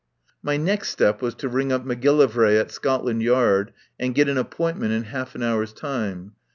My next step was to ring up Macgillivray at Scotland Yard and get an appointment in half an hour's time.